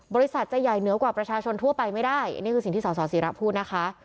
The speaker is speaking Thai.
บริษัทจะใหญ่เหนือกว่าประชาชนทั่วไปไม่ได้อันนี้คือสิ่งที่สสิระพูดนะคะ